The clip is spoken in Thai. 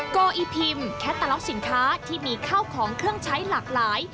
โกอีพิมแคตาล็อกสินค้าที่มีข้าวของเครื่องใช้หลากหลาย